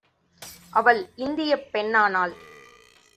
அவள் இந்தியப் பெண் ஆனாள்.